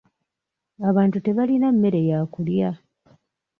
Abantu tebalina mmere ya kulya.